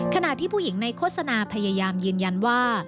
ขณะที่ผู้หญิงในโฆษณาพยายามยืนยันว่า